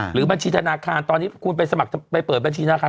หรือบัญชีธนาคารตอนนี้คุณไปสมัครไปเปิดบัญชีธนาคาร